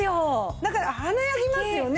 なんか華やぎますよね。